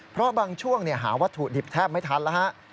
เพราะบางช่วงหาวัตถุดิบแทบไม่ทันแล้วฮะ